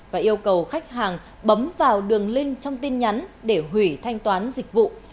và yêu cầu khách hàng bấm vào đường link trong tin nhắn để hủy thanh toán dịch vụ